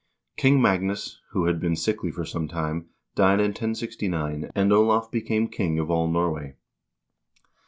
King Magnus, who had been sickly for some time, died in 1069, and Olav became king of all Nor way.